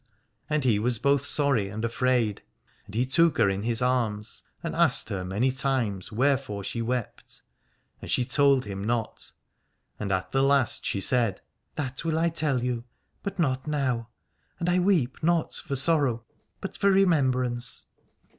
269 Aladore And he was both sorry and afraid, and he took her in his arms and asked her many times wherefore she wept, and she told him not. And at the last she said : That will I tell you, but not now : and I weep not for sorrow but for remembrance.